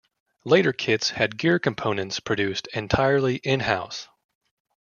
Later kits had gear components produced entirely in-house.